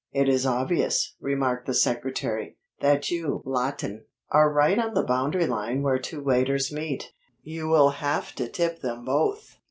"It is obvious," remarked the secretary, "that you, Lawton, are right on the boundary line where two waiters meet. You will have to tip them both."